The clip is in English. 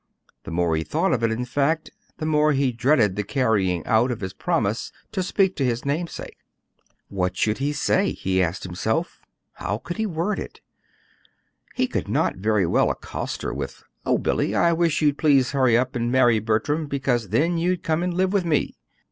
The more he thought of it, in fact, the more he dreaded the carrying out of his promise to speak to his namesake. What should he say, he asked himself. How could he word it? He could not very well accost her with: "Oh, Billy, I wish you'd please hurry up and marry Bertram, because then you'd come and live with me."